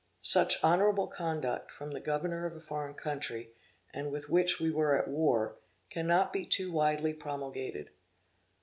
Such honorable conduct from the governor of a foreign country, and with which we were at war, cannot be too widely promulgated.